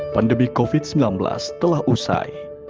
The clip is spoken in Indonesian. pandemi covid sembilan belas telah usai